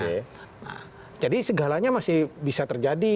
nah jadi segalanya masih bisa terjadi